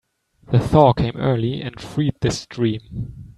The thaw came early and freed the stream.